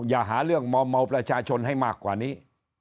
อย่าหาเรื่องมอมเมาประชาชนให้มากกว่านี้